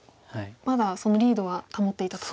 まだそのリードは保っていたと。